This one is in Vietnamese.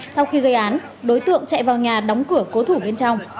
sau khi gây án đối tượng chạy vào nhà đóng cửa cố thủ bên trong